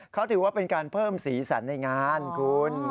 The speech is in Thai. เขาถือว่าเป็นการเพิ่มสีสันในงานคุณ